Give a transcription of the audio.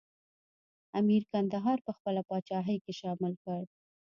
امیر کندهار په خپله پاچاهۍ کې شامل کړ.